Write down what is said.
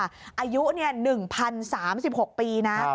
อายุเนี่ย๑๐๓๖ปีนะ